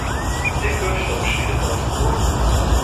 Der Kirchturm steht im Osten.